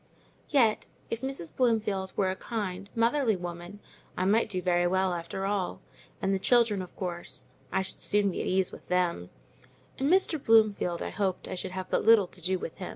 Yet, if Mrs. Bloomfield were a kind, motherly woman, I might do very well, after all; and the children, of course, I should soon be at ease with them—and Mr. Bloomfield, I hoped, I should have but little to do with.